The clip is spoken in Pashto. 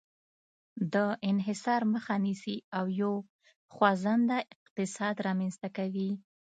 د انحصار مخه نیسي او یو خوځنده اقتصاد رامنځته کوي.